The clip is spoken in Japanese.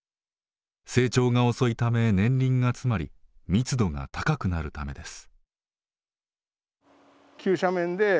成長が遅いため年輪が詰まり密度が高くなるためです。